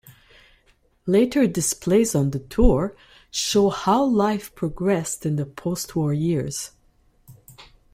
Later displays on the tour show how life progressed in the postwar years.